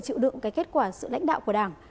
chịu đựng kết quả sự lãnh đạo của đảng